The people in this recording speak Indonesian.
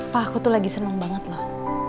pak aku tuh lagi seneng banget lah